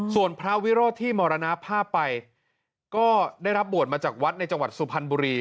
ส่วนพระวิโรธที่มรณภาพไปก็ได้รับบวชมาจากวัดในจังหวัดสุพรรณบุรี